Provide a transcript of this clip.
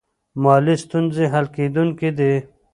مالي ستونزې حل کیدونکې دي.